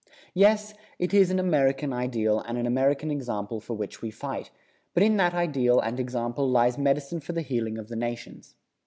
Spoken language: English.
Yes, it is an American ideal and an American example for which we fight; but in that ideal and example lies medicine for the healing of the nations.